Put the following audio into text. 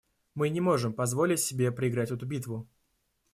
Мы не можем позволить себе проиграть эту битву.